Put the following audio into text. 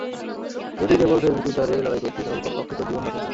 যদি কেবল ফেসবুক, টুইটারে লড়াই করতি তাহলে কমপক্ষে তোর জীবন বাঁচাতো।